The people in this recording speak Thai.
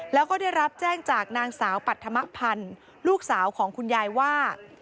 แล้วก็ได้รับแจ้งจากนางสาวปัธมพันธ์ลูกสาวของคุณยายว่า